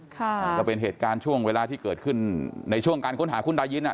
ก็เป็นเหตุการณ์ช่วงเวลาที่เกิดขึ้นในช่วงการค้นหาคุณตายินอ่ะ